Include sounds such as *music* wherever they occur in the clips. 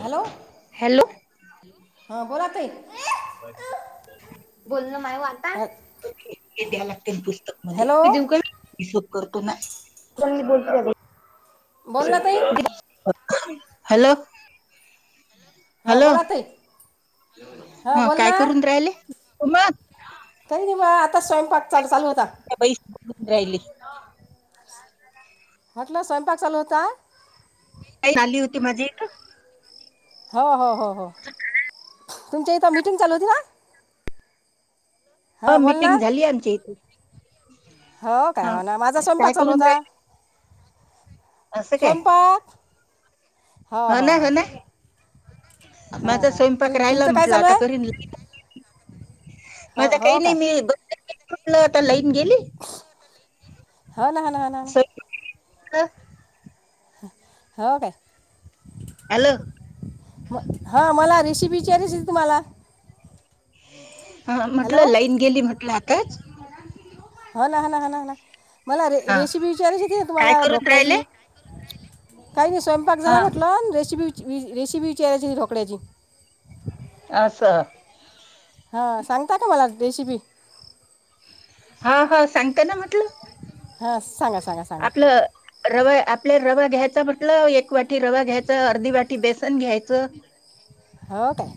Hello! हा बोला त बोलण मायू आता. हॅ- हे द्या लागतील पुस्तक हॅलो मध्ये दे का! करतो ना बोल. बोल ना ताई हॅलो! हा हॅलो बोला ताई, हां हा बोल काय ना करून राहिले मज काही नाही बा आता स्वयंपाक चालू चालू होता. ब्रयली. हॉटेल स्वयंपाक चालू होता. का आली होती माझी इथ, हो हो हो हो तुमच्या इथं मीटिंग चालू होती ना? ह हां बोल ना मिटिंग झाली आमची. हो काय हो ना माझा काय स्वयंपाक चालू करून होता. राहील असं काय स्वयंपाक. ह हो ह ना ह हो ना हा माझा हा! तु स्वयंपाक राहिला तुमचं काय म्हटलं चालू आता आहे. करीन हो माझा हो काही काय नाही *unintelligible* मिघलंता लई. गेली हो ना हो ना हो ना हो ना. *unintelligible* हो का! हॅलो! हा मला रेसिपी विचारशल तुम्हाला, हा म्हटलं हॅलो लाईन गेली म्हटलं आताच. हा ना हा ना हा ना ह ना मला रे हा रेसिपी विचारायची त ना काय तुम्हाला करून राहिले ढोकळ्याची. काही नाही स्वयंपाक हा झाला म्हटलं रेसिपी. रेसिपी विचारायची ढोकळ्याची. असं. हा सांगता का मला रशिपी. हा हा सांगता ना म्हटलं, हां सांगा सांगा सांगा, आपलं रवा आपल्या रवा घ्यायचा म्हटलं एक वाटी रवा घ्यायचा, अर्धी वाटी बेसन घ्यायचं, हो काय.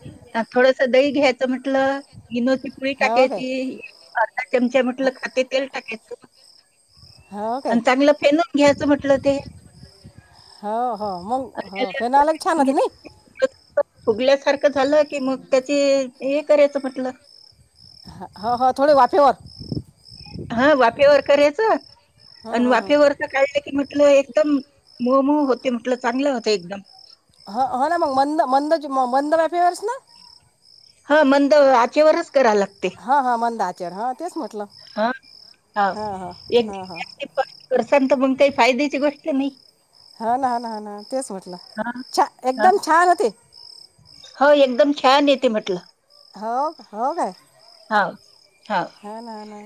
सदई घ्यायचं म्हटलं. मनोती पोळी हो काय टाकायची अर्धा चमचा म्हटलं खात तेल टाकायचं हो काय आणि चांगलं फेनून घ्यायचं म्हटलं ते, हो हो मग आणि हो फेन त्याला आलाक छान फेटून होते घ्यायचं. नाही. फुगल्यासारखं झालं की मग त्याची हे करायच म्हटलं. हो ह थोडी वाफेवरर. हा वाफेवर करायचं हं, आणि हं, हं. वाफेवरच काढलं की, म्हलं एकदम मोहम होते म्हटलं चांगलं होत एकदम, हा हा ना मग मंद मंद मंद वेफेवर ना? ह मंद आचेवरच, करा लागते हा हा मंदाचर हा तेच म्हटलं, हा हा हां हां एक. हां हां *unintelligible* गोष्ट नाही हा ना ह ना ह ना तेच म्हटलं हां, छान हां. एकदम छान होते. हो एकदम छान येते म्हटलं, हो हो काय हा हा ना ना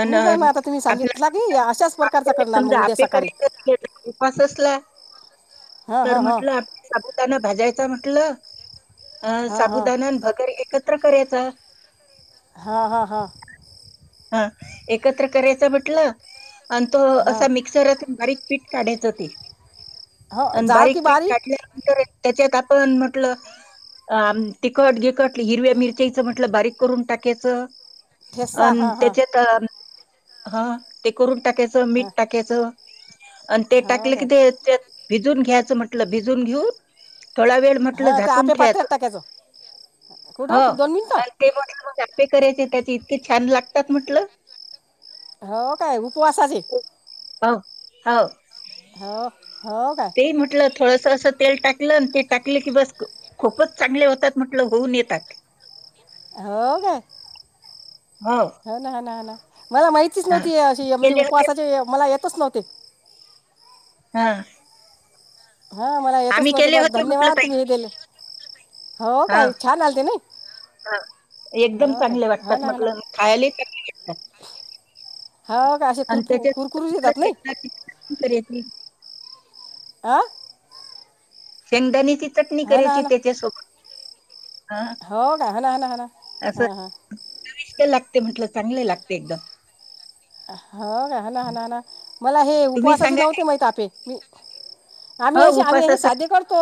अन पण आता तुम्ही आपला सांगितले की समजा अशाच प्रकारच आपल्याला करणार मग समजा उद्या आपे सकाळी करायचं उपास असला हां तर हां हां म्हंटलं आपल्या साबुदान भाजायच म्हंटलं अं हां हां साबुदानान भगर एकत्र करायचं हा हा हा हा एकत्र करायच म्हटलं आणि तो हां असा मिक्सर बारीक पीठ काढायचं हो ते हो आणि जाळ की बारीक पीठ काढल्यानंतर त्यांच्यात आ पण म्हटलं तिखट गखट हिरव्या मिरच्याच म्हटलं बारीक करून टाक ठेसा हां हां त्यांच्यात ते करून टाकायचं मीठ टाकायचं आणि ते हां हो टाकलं कि काय ते भिजून घ्यायचं म्हंटलं भिजून घेऊन थोडा वेळ म्हटलं हां ते झाकून आपे ठेवायचं पात्र्यात टाकायचं हो कुठं कि- दोन मिनटं आणि ते करायचे त्याचे इतके छान लागतात म्हटले हो उपवासाचे हो हो हो. हो काय ते म्हटलं थोडं. अस अस तेल टाकलं आणि ते टाकले की बस खूपच चांगले होतात म्हटलं होऊन येतात हो ग हो ना ह ना ह ना हा केले होते *unintelligible* हा हा मला येतच आम्ही नव्हते केले बरं होते म्हटलं धन्यवाद ताई तुम्ही हे दिले हो हा काय छान आलते नाही हा एकदम हो काय चांगले हो वाटतात ना हो ना म्हटलं खायला चांगले वाटतात हो का असे आणि कुरपु त्यांच्या कुरकुरीत येतात नाही *inaudible* आ शेंगदाणीची चटणी ना हा करायची ना त्यांच्या सोबत हा हो का हा ना हा ना हा ना असे हां हां चविष्ट लागतो ते म्हटलं चांगले लागते एकदम ह का हणा हणा हणा मला हे तुम्ही उपवासाचे सांगा नव्हते माहित आपपे मी आम्ही हो अ आम्ही अ उपासासाठी साधे करतो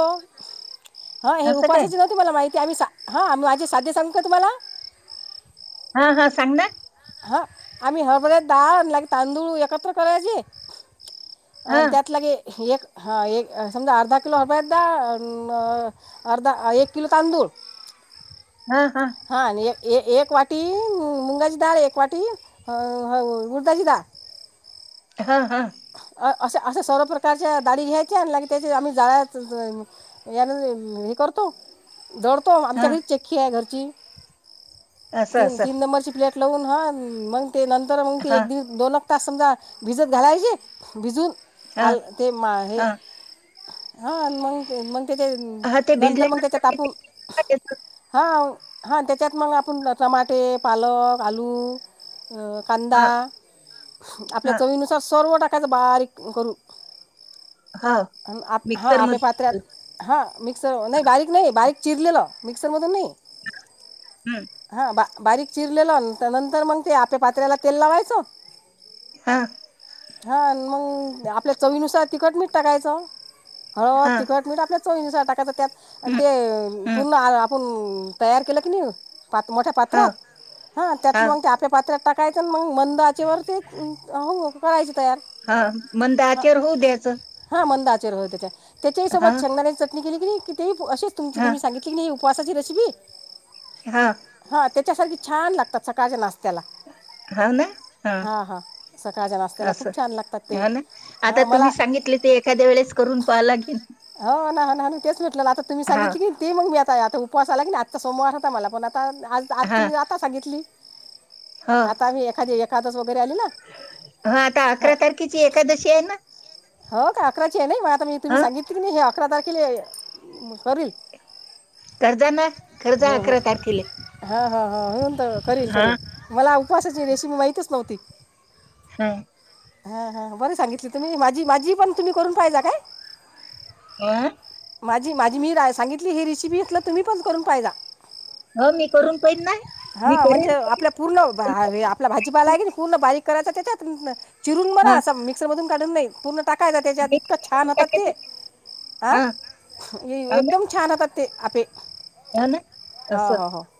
हा हे असं काय? उपवासाचे नव्हते मला माहिती आम्ही हा आम्ही माझे साध्य सांगू का तुम्हाला हा हा सांग ना हा आम्ही हरभऱ्याची डाळ तांदूळ एकत्र करायचीे अ हां, त्यात लागे एक हा एक समजा अर्धा किलो हरभऱ्याची डाळ अर्धा एक किलो तांदूळ हा हा हां आणि ए एक एक वाटी मुंगाची डाळ एक वाटी उडदाची डाळ हा हा. असे सर्व प्रकारच्या दाडी घ्यायच्या आणि त्या आम्ही जाळ्या कर. परतो. दडतो हां आमच्याकडे चक्की आहे घरची असं तीन असं. तीन नंबरची प्लेट. लावून ह मग ते नंतर मग ते हां, एक दि दोनक तास समजा भिजत घालायचे. भिजून हां, आल ते मा हे. हां. हा मग मग त्याचे हां ते नंतर मग त्याच्या भिजल्यानंतर ते तापून. मिक्सरला त्याचं हा हा त्याच्यात मग आपण टमाटे पालक आलू. अ कांदा हां, आपल्या हां, चवीनुसार सर्व टा कांदा तर बारीक करू हो हा आपे मिक्सरमध्ये पात्र हा मिक्सर नाही बारीक नाही बारीक. चिरलेलं मिक्सरमधून नाही हं, हां बा. बारीक चिरलेल नंतर मग ते आपल्या पात्र्याला तेल लावायचं. हा. हा मग आपल्या चवीनुसार तिखट मीठ टाकायचं. होळ हां, तिखट मी आपल्या चोईंस टाकायच त्यात आणि हं, ते हं. पूर्ण. आपण तयार केलं की नाही प मोठ्या हो, पात्रात हा हो, त्यातलं मग ते आपल्या पात्रात टाक. काय मग मंदाचे वर ते हो करायच हा मंद आचार होऊ द्याचं हा मंद आचर हो त्याच्या त्याच्याही सोबत छंगदाने चटणी केली िती अेच तुमची हां, तुम्ही सांगितली की उपवासाची रेसिपी हा हां छान लातात सकाळच्या नात्याला हो ना? हां हा हा सकाळच्या नात्या असं ह ना आता तुम्ही मला सांगितले ते एखाद्या वेळेस करून पाहाला गेल ह ना ना तेचेटलं आता तुम्ही सांगितली की ते मग मी आता आता उपवा आला की आता सोमार होता मला पण आ आज आज हा तुम्ही आता सांगितली आता आम्ही एखादी एखादच हा आता अकरा तारखेची एकादशी आहे ना हो का अकराची आहे नाही म आता मी तुम्ही ह सांगित की नाही हे अकरा तारखेला करील कर्जा ना कर्जा अकरा तारखेला हा हा हा होऊन तर करेल हा करेल मला उपवासाची रेसिपी माहतीच नव्हती हम् हा हा बर सांगितले तुम्ही माझी माझी पण तुम्ही करून पाहिज काय अं माझी माझी मी रा सांगितली ही रेसिपी घेतलं तुम्ही पण करून पाहिजा ह मी करून पाहिन ना मी हा म्हणजे करेन आपल्या पूर्ण आपला भाजीपाला आहे की पूर्ण बारीक करायचा त्या त्यात चिरून बरा हा असा मिक्सर मधून काढून नाही पूर्ण टाकायच त्याच्यात मी इतकं छान करून होतात ते टाकायचं. ह हा एकदम छान होत ते आपपे ह ना तस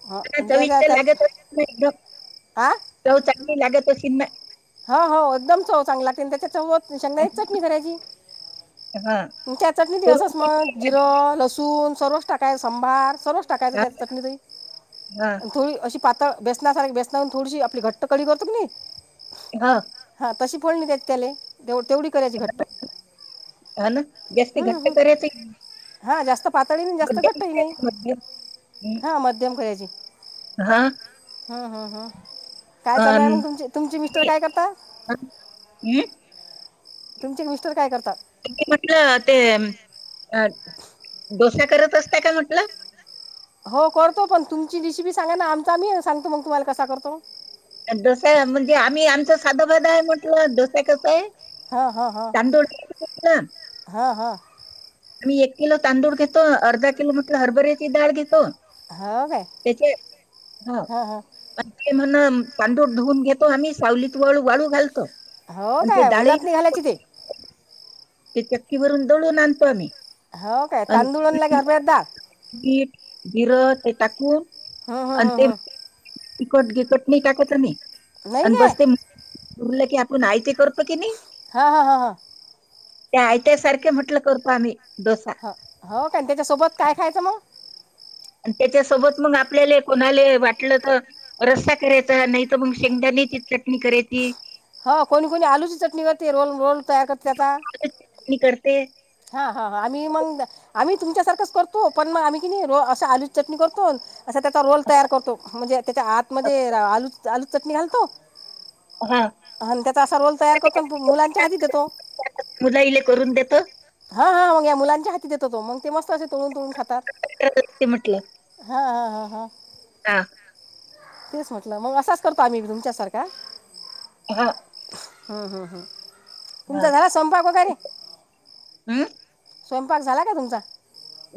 हो आणि त्याच्या कविित्र त्यात लागतच चांगली लागत सिन्मा हा हो एकदम चव चांगला लागते त्याच्या चव एक चटणी करायची. हा त्या चटणी दि करून असस पाहिन मग एखाद्या वेळेस. जिरं लसूण सर्वच टाकाय सांबार. सर्वच टाकायचं हा त्या चकणीतही ना? आणि थोडी अशी पात बेसनासारखी बेसनाून थोडीशी आपली घट्ट कडी करतो क नाही हा हां तशी फोोलणी देत त्याला तेव तेवढी करायची घट्ट ह ना जास्ती हम्म घट्ट हम्म करायचं नाही. हा जास्त पातळी नाही जास्त मध्यम घट्टही नाही करायचं मध्यम हं, हा मध्यम खची हा हम्म हम्म हम् काय अ चालूय मग तुमची तुमची मिस्टर मी काय करता हं, मी तुमचे मिस्टर काय करतात म्हटलं ते अ डोसा करत असत का म्हटलं हो करतो पण तुमची रिसिपी सांगा ना आमचा आमी सांगतो मग तुम्हाला कसा करतो डसा म्हणजे आम्ही आमचा साधाबाध आहे म्हटलं डसा कसा आहे हां हां हां तंदड हां मी एक किलो तांदूळ घेतो अर्धा किलो म्हटलं हरभर्याची ाळ घेतो हां हो काय त्याचे हा हां हां ते म्ह तांडूर धुवून घेतो आम्ही सावलीतळू वाळू घालतो हो अ ते काय दाळे उन्हात नाही घालायची ते ते चक्कीवरून दळून आणतो आम्ही हो काय तांदूळ आणि लागे हरभऱ्यात डाळ हिरं ते टाकूर हा हा हा हा तिकट बिकट नाही टाकत आम्ही नाही आणि काय बसते उरलं की आपण आय ते करतो की नाही हा हा हा हा त्या आय त्या् सारखे म्हंटलं करतो आम्ही डोसा हो कण त्याच्यासोबत काय खायचं मग आणि त्याच्यासोबत मग आपल्याला कोणाले वाटलं तर रस्ता करायचा नाही तर मग शेंगदा्यांनी तिथ चटणी करे त हो कोणी कोणी आलूची चटणी करते रोल रोल तयार करते आता आलू चटणी करते हा हा हा आम्ही मग आम्ही तुमच्या सारखंच करतो पण मग आम्ही कि नाही र आलूची चटणी करतो अस त्याचा रोल तयार करतो म्हणजे त्याच्या आतमध्येध्ये आलू आलू चटणी घालतो हा आणि त्याचा असा रोल तर तयार ते करतो मुलांच्या आता हाती देतो मुलाईले करून देत हा हा मग या मुलांच्या हाती देतो तो मग ते मस्त असे तोडून तोडून खातात हा हा हा हा ह तेच म्हटलं मग असाच करतो आम्ही तुमच्यासारखा हा हं, हं, हा तुमचा झाला संपाक वगैरे हं? स्वयंपाक झाला का तुमचा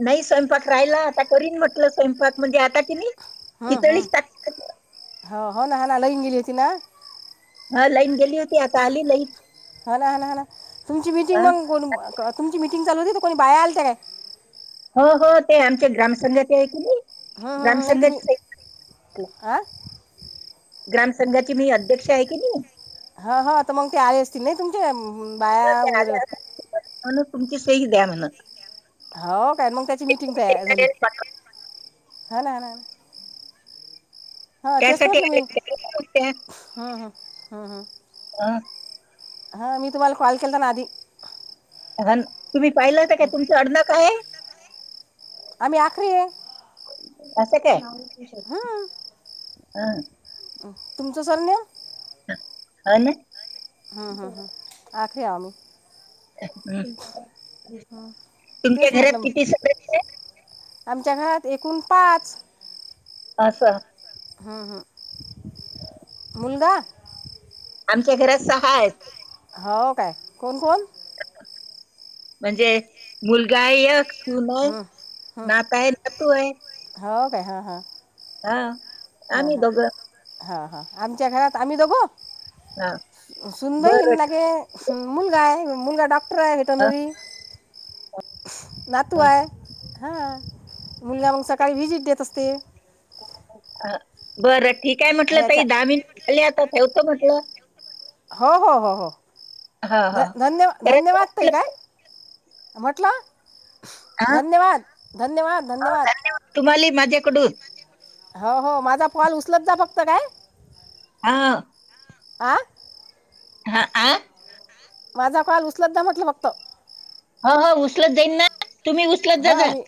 नाही स्वयंपाक राहिला आता करीन म्हटलं स्वयंपाक म्हणजे आता कि नाही हो खिचडीच टाकते हो ना ह ना लईन गेलीती ना हा लाईन गेली होती आता आली लईन हा हा ह तुमची मिटिंग मग तुमची मीटिंग मटिंगलू त कोणी बाया आलं त्या का हो हो ते आमचे ग्रामसघात आहे क नाही हं हं राम हं नाही तुम्ही संघाचे आ ग्राम संंघाची मी अध्यक्ष आहे की नाही हा हा तर मग ते आले असतील नाही तुमच्या बाया वगैरे म्ह तुमची सई द्या म्हणत हो काय मग त्याची मिटिंग तया झाली हा ना हा तेचत त्यासाठी म्हटलं मी आले हम् हम हम्म हम्म हह हा मी तुम्हाला कॉल केलता ना आधी हा तुम्ही पाहिलाता का तुमच आडनाव काय आहे आम्ही आखरी आहे असं काय हं हा तुमचं सरनेम अ ना हम् हम् हम आखे अमु तुमच्या तेच घरात म्हटलं किती सदस्य आहे आमच्या घरात एकूण पाच अस हं हं मुलगा आमच्या घरात सहा आहेत हो काय कोण कोण म्हणजे मुलगा यक सून आहे हं हं नात आहे नातू आहे हो काय हा हा हा आम्ही दोघं हां हां आमच्या घरात आम्ही दोघो हा सुनबाई बरं न गे मुलगा आहे मुलगा डॉक्टर ट्राय अ, वेटर्नरी नातू आहे हा मुलगा मंग सकाळी विझिट देत असते अ बरं ठीक आहे म्हटलं ह्याच्या ताई दहा मिनटं झाले, आता ठेवत म्हटलं. हो हो हो हो हा ध हा धन्य परत धन्यवाद ताई. म्हटलं काय? म्हटला? ह हो धन्यवाद तुम्हाला ही माझ्याकडून. हो हो माझा कॉल उचलत जा फक्त काय? हा. आ हा आ. माझा कॉल उचलत जा म्हटलं फक्त. हो हो उचलत जाईन ना तुम्ही उचलत जा हां जा. मी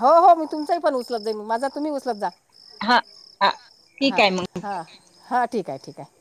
हो हो मी तुमचाही पण उचलत जाईन माझ तुम्ही उचलत जा. हा हा ठीक हा आहे मग हा हा ठीक आहे. ठीक आहे.